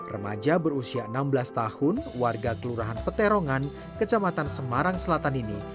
remaja berusia enam belas tahun warga kelurahan peterongan kecamatan semarang selatan ini